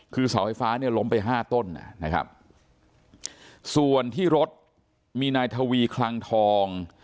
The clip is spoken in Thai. คือเสาไฟฟ้าเนี่ยล้มไปห้าต้นนะครับส่วนที่รถมีนายทวีคลังทอง